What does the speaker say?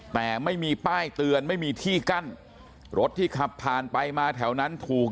แต่ไม่มีป้ายเตือนไม่มีที่กั้นรถที่ขับผ่านไปมาแถวนั้นถูก